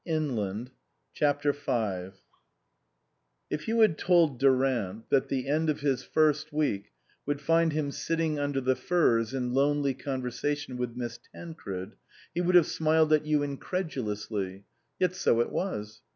50 CHAPTEK V IF you had told Durant that the end of his first week would find him sitting under the firs in lonely conversation with Miss Tancred, he would have smiled at you incredulously. Yet so it was.